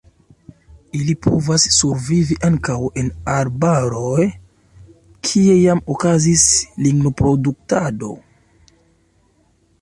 Ili povas survivi ankaŭ en arbaroj kie jam okazis lignoproduktado.